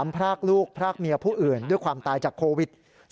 พรากลูกพรากเมียผู้อื่นด้วยความตายจากโควิด